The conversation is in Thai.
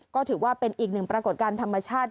ก็ถือว่าเป็นอีกหนึ่งปรากฏการณ์ธรรมชาติ